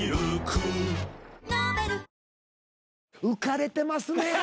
浮かれてますね。